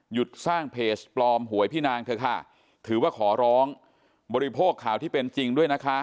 สร้างเพจปลอมหวยพี่นางเถอะค่ะถือว่าขอร้องบริโภคข่าวที่เป็นจริงด้วยนะคะ